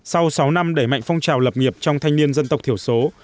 sau sáu năm đẩy mạnh phong trào lập nghiệp trong thanh niên dân tộc thiểu số